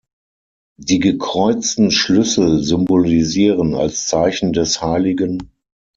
Die gekreuzten Schlüssel symbolisieren als Zeichen des hl.